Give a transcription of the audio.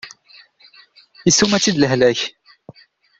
Isuma-tt-id lehlak.